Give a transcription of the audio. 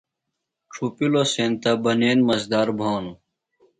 ڇُھپِلوۡ سینتہ بنین مزدار بھانوۡ۔